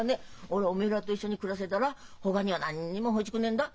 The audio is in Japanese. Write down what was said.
おらおめえらと一緒に暮らせたらほかには何にも欲しくねえんだ。